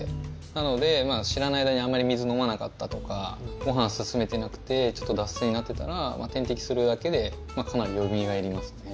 なので、知らない間にあまり水を飲まなかったとかご飯、進めてなくてちょっと脱水になってたら点滴するだけでかなりよみがえりますね。